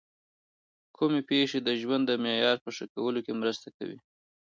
کومې پېښې د ژوند د معیار په ښه کولو کي مرسته کوي؟